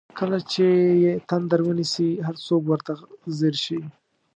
کله چې یې تندر ونیسي هر څوک ورته ځیر شي.